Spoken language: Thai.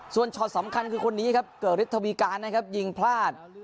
ส่วนช็อตสำคัญคือคนนี้ครับเกือกฤทธวีการนะครับยิงพลาด